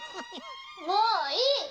もういい！